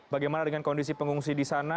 bagaimana dengan kondisi pengungsi di sana